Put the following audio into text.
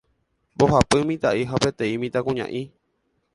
Mbohapy mitã'i ha peteĩ mitãkuña'i.